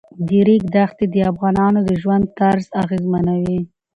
د ریګ دښتې د افغانانو د ژوند طرز اغېزمنوي.